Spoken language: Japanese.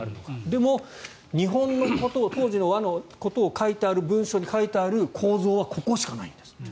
でも、日本のことを当時の倭のことを書いてある文書に書いてある構造はここしかないんですって。